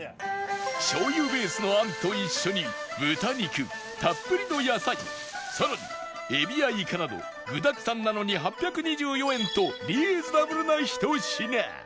醤油ベースのあんと一緒に豚肉たっぷりの野菜さらにエビやイカなど具だくさんなのに８２４円とリーズナブルなひと品